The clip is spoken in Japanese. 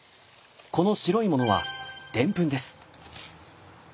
この白いものはデンプンです。